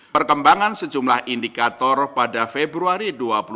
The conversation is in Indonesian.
perkembangan sejumlah indikator pada februari dua ribu dua puluh